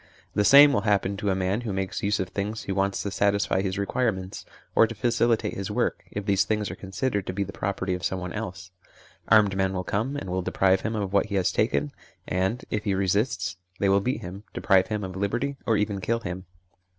The same will happen to a man who makes use of things he wants to satisfy his requirements or to facilitate his work, if these things are considered to be the pro perty of someone else ; armed men will come, and will deprive him of what he has taken, and, if he resists, they will beat him, deprive him of liberty, or even kill him.